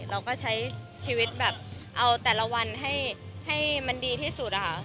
เราก็ใช้ชีวิตแบบเอาแต่ละวันให้มันดีที่สุดอะค่ะ